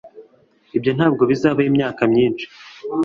Ibyo ntabwo bizabaho imyaka myinshi